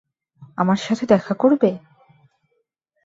আমার সাথে দেখা করবে?